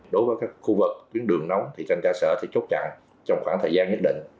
đối với các khu vực tuyến đường nóng thì thanh tra sở thì chốt chặn trong khoảng thời gian nhất định